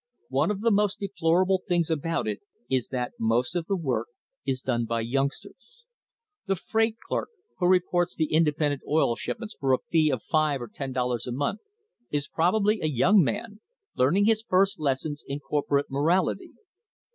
One of the most deplorable things about it is that most of the work is done by youngsters. The freight clerk who reports the independent oil shipments for a fee of five or ten dollars a month is probably a young man, learning his first lessons in corporate morality.